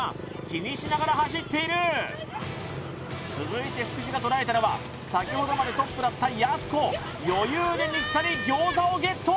気にしながら走っている続いて福士が捉えたのは先ほどまでトップだったやす子余裕で抜き去りギョーザをゲット！